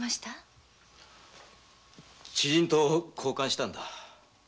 知人と交換したんだ。